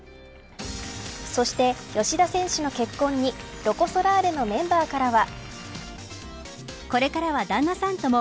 そして、吉田選手の結婚にロコ・ソラーレのメンバーからは。